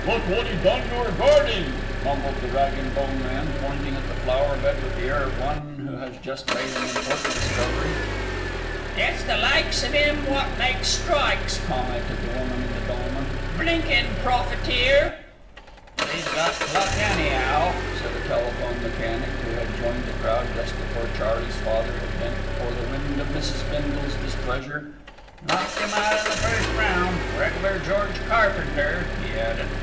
"Look wot 'e done to 'er garding," mumbled the rag and bone man, pointing at the flower bed with the air of one who has just made an important discovery. "It's the likes of 'im wot makes strikes," commented the woman in the dolman. "Blinkin' profiteer." "She's got pluck, any'ow," said a telephone mechanic, who had joined the crowd just before Charley's father had bent before the wind of Mrs. Bindle's displeasure. "Knocked 'im out in the first round. Regular George Carpenter," he added.